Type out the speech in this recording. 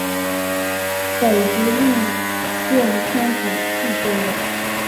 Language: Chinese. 北直隶顺天府蓟州人。